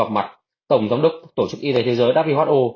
gặp mặt tổng giám đốc tổ chức y tế thế giới who